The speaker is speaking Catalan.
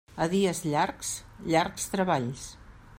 A dies llargs, llargs treballs.